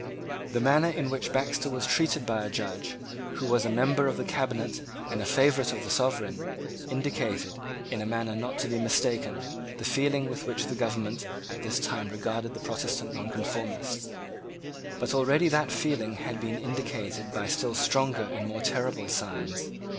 The manner in which Baxter was treated by a judge, who was a member of the cabinet and a favourite of the Sovereign, indicated, in a manner not to be mistaken, the feeling with which the government at this time regarded the Protestant Nonconformists. But already that feeling had been indicated by still stronger and more terrible signs.